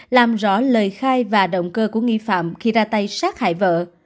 làm rõ lời khai và động cơ của nghi phạm khi ra tay sát hại vợ